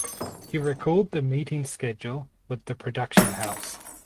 He recalled the meeting schedule with the production house.